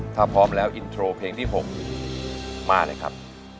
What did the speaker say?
ถ้าพร้อมแล้วอินโทรเพลงที่๖มาเลยครับ